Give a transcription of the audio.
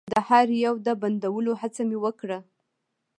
د هر يو د بندولو هڅه مې وکړه.